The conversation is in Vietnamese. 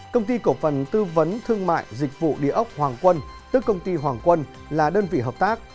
công ty cổ phần tư vấn thương mại dịch vụ địa ốc hoàng quân tức công ty hoàng quân là đơn vị hợp tác